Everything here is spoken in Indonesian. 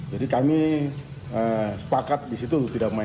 jadi kami sepakat di situ tidak main main